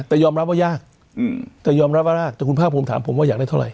แต่ยอมรับว่ายากแต่ยอมรับว่ายากแต่คุณภาคภูมิถามผมว่าอยากได้เท่าไห